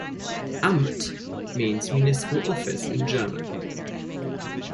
"Amt" means "municipal office" in German.